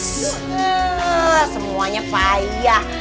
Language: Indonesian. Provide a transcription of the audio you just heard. ehh semuanya payah